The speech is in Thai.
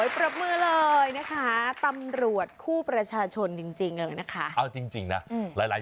ถึงภูยาตายาย